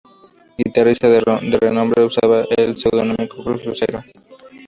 Guitarrista de renombre, usaba el seudónimo Cruz Lucero.